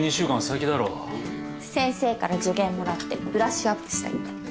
先生から助言もらってブラッシュアップしたいんで。